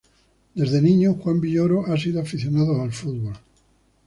Desde niño, Juan Villoro ha sido aficionado al fútbol.